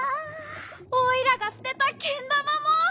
おいらがすてたけんだまも！